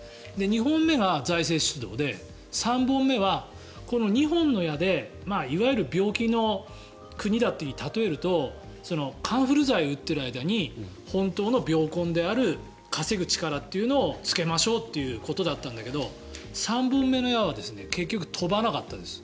２本目が財政出動で３本目は、この２本の矢でいわゆる病気の国だって例えるとカンフル剤を打っている間に本当の病根である稼ぐ力というのをつけましょうということだったんだけど３本目の矢は結局飛ばなかったです。